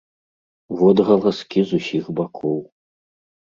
Водгаласкі з усіх бакоў.